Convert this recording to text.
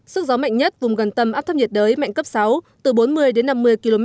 sức gió mạnh nhất vùng gần tâm áp thấp nhiệt đới mạnh cấp sáu từ bốn mươi đến năm mươi km